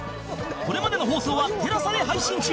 これまでの放送は ＴＥＬＡＳＡ で配信中